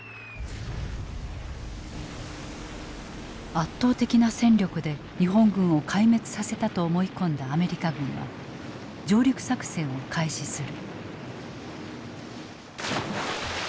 圧倒的な戦力で日本軍を壊滅させたと思い込んだアメリカ軍は上陸作戦を開始する。